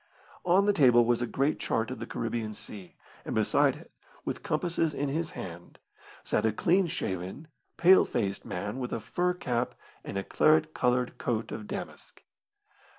On the table was a great chart of the Caribbean Sea, and beside it, with compasses in his hand, sat a clean shaven, pale faced man with a fur cap and a claret coloured coat of damask.